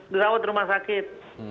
disawat rumah sakit